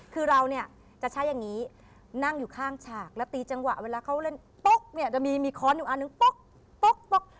คือเราเนี่ยจะใช้อย่างนี้นั่งอยู่ข้างฉากแล้วตีจังหวะเวลาเขาเล่นป๊อกเนี่ยจะมีมีค้อนอยู่อันนึงป๊อกป๊อกป๊อก